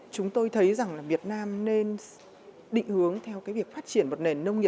chúng tôi thấy rằng việt nam nên định hướng theo việc phát triển một nền nông nghiệp